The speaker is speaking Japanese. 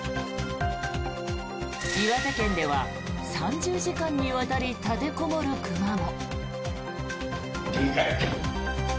岩手県では３０時間にわたりたてこもる熊も。